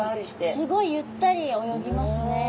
すごいゆったり泳ぎますね。